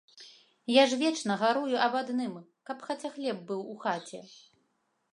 Я ж вечна гарую аб адным, каб хаця хлеб быў у хаце.